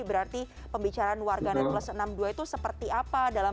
berarti pembicaraan warga sembilan ratus enam puluh dua itu seperti apa